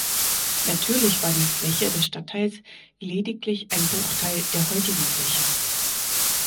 Natürlich war die Fläche des Stadtteils lediglich ein Bruchteil der heutigen Fläche.